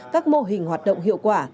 các mô hình hoạt động hiệu quả